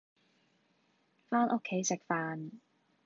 返屋企食飯